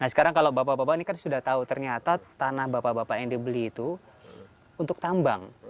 nah sekarang kalau bapak bapak ini kan sudah tahu ternyata tanah bapak bapak yang dibeli itu untuk tambang